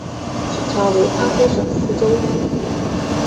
清朝为安徽省泗州盱眙。